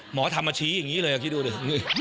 หมอทำมาชี้อย่างนี้เลยคิดดูดิ